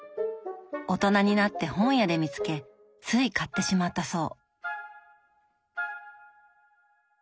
大人になって本屋で見つけつい買ってしまったそう。